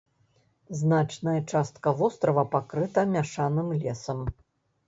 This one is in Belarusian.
Значная частка вострава пакрыта мяшаным лесам.